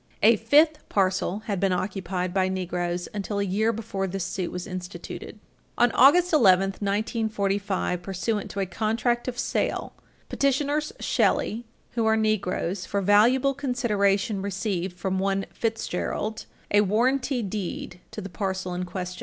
A fifth parcel had been occupied by Negroes until a year before this suit was instituted. On August 11, 1945, pursuant to a contract of sale, petitioners Shelley, who are Negroes, for valuable consideration received from one Fitzgerald a warranty deed to the parcel in question.